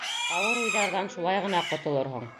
Ауыр уйҙарҙан шулай ғына ҡотолорһоң.